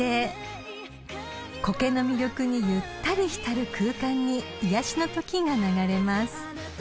［コケの魅力にゆったり浸る空間に癒やしの時が流れます］